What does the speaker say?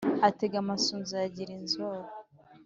Atega amasunzu ayagira inzora